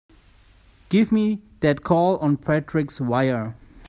Give me that call on Patrick's wire!